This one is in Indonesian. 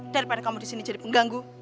daripada kamu di sini jadi pengganggu